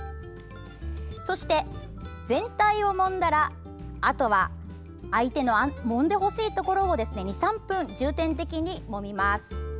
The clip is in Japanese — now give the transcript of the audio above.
そして全体をもんだらあとは、相手のもんでほしいところを２３分、重点的にもみます。